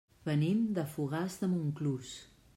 Venim de Fogars de Montclús.